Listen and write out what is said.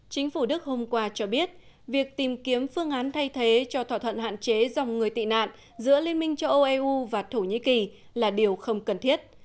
chính phủ đức hôm qua cho biết việc tìm kiếm phương án thay thế cho thỏa thuận hạn chế dòng người tị nạn giữa liên minh châu âu eu và thổ nhĩ kỳ là điều không cần thiết